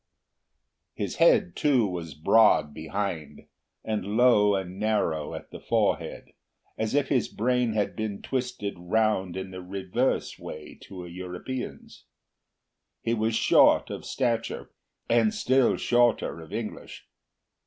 His head, too, was broad behind, and low and narrow at the forehead, as if his brain had been twisted round in the reverse way to a European's. He was short of stature and still shorter of English.